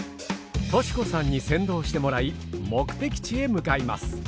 老子さんに先導してもらい目的地へ向かいます。